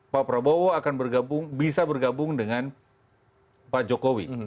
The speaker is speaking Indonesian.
pak prabowo akan bergabung bisa bergabung dengan pak jokowi